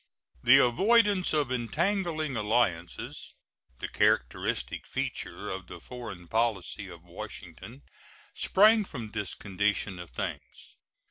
The avoidance of entangling alliances, the characteristic feature of the foreign policy of Washington, sprang from this condition of things.